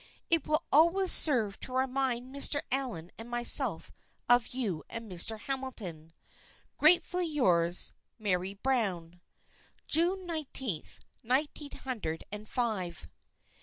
It will always serve to remind Mr. Allen and myself of you and Mr. Hamilton. "Gratefully yours, "Mary Brown. "June nineteenth, nineteen hundred and five."